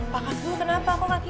pak kasbu kenapa aku ngakir